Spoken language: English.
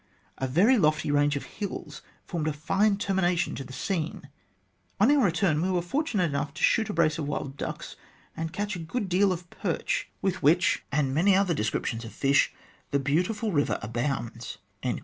A very lofty range of hills formed a fine termination to the scene. On our return we were fortunate enough to shoot a brace of wild ducks, and catch a good deal of perch, with which, and many other THE GENESIS OF THE GLADSTONE COLONY 13 descriptions of fish, the beautiful river abounds."